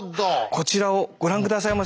こちらをご覧下さいませ。